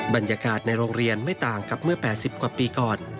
บรรยากาศในโรงเรียนไม่ต่างกับเมื่อ๘๐กว่าปีก่อน